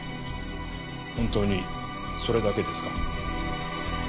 本当にそれだけですか？